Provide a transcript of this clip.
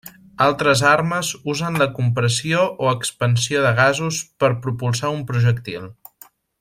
Altres armes usen la compressió o expansió de gasos per propulsar un projectil.